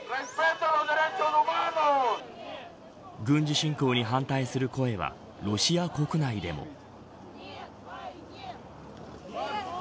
軍事侵攻に反対する声はロシア国内でも。